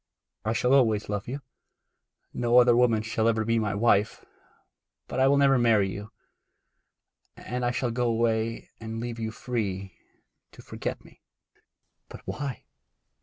I shall always love you. No other woman shall ever be my wife; but I will never marry you; and I shall go away and leave you free to forget me.' 'But why?